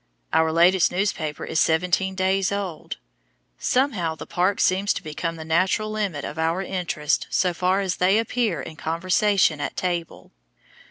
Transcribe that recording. Our latest newspaper is seventeen days old. Somehow the park seems to become the natural limit of our interests so far as they appear in conversation at table.